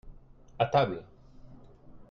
à table.